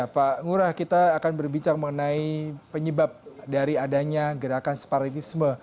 pak ngurah kita akan berbicara mengenai penyebab dari adanya gerakan separatisme